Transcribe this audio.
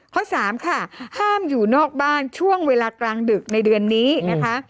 ข้อสามค่ะห้ามอยู่นอกบ้านช่วงเวลากลางดึกในเดือนนี้นะคะ